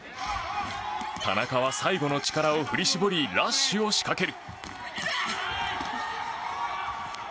田中は最後の力を振り絞りラッシュを仕掛ける。